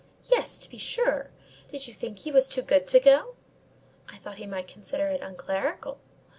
"Yes, to be sure. Did you think he was too good to go?" "I thought be might consider it unclerical."